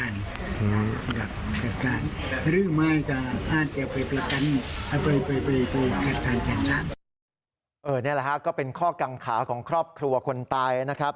นี่แหละฮะก็เป็นข้อกังขาของครอบครัวคนตายนะครับ